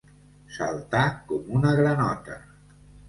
Saltar com una granota.